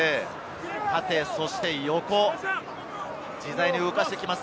縦と横、自在に動かしていきます。